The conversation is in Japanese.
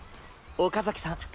岡崎さん